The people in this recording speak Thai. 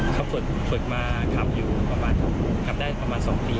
เขาฝึกมาขับอยู่ประมาณขับได้ประมาณ๒ปี